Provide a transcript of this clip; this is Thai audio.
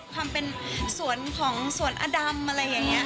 ความเป็นสวนของสวนอดำอะไรอย่างนี้